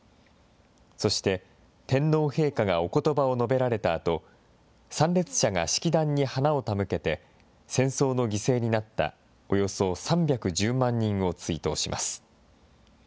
そして、天皇陛下がおことばを述べられたあと、参列者が式壇に花を手向けて、戦争の犠牲になったおよそ３１０万人を追悼します。